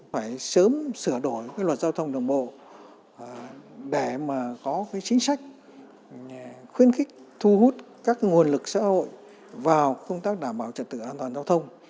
phải sớm sửa đổi luật giao thông đồng bộ để có chính sách khuyên khích thu hút các nguồn lực xã hội vào công tác đảm bảo trật tự an toàn giao thông